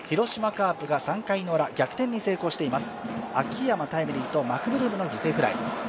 カープが３回ウラ、逆転に成功しています。